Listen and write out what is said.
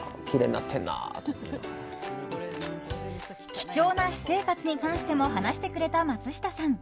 貴重な私生活に関しても話してくれた松下さん。